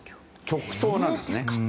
極東なんですね。